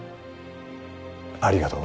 ありがとう